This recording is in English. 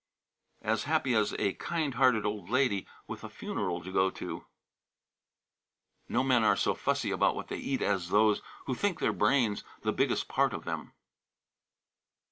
"As happy as a kind hearted old lady with a funeral to go to." "No men are so fussy about what they eat as those who think their brains the biggest part of them."